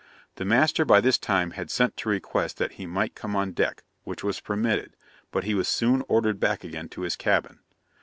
'The master by this time had sent to request that he might come on deck, which was permitted; but he was soon ordered back again to his cabin.